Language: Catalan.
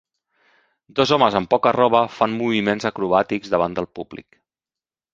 Dos homes amb poca roba fan moviments acrobàtics davant del públic